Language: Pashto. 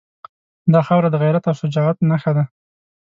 دا خاوره د غیرت او شجاعت نښه ده.